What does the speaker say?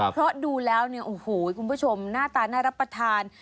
เพราะดูแล้วเนี่ยโอ้โหคุณผู้ชมหน้าตาน่ารับประทาน